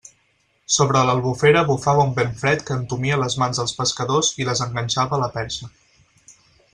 Sobre l'Albufera bufava un vent fred que entumia les mans dels pescadors i les enganxava a la perxa.